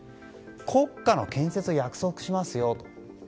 国家の建設を約束しますよと。